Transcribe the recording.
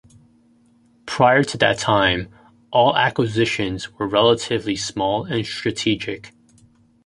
Prior to that time, all acquisitions were relatively small and strategic.